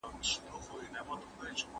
ملا بانګ په ستړې بڼه خپلې کوټې ته راستون شو.